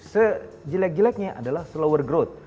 sejelek jeleknya adalah follower growth